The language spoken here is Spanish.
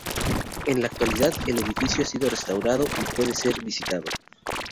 En la actualidad el edificio ha sido restaurado, y puede ser visitado.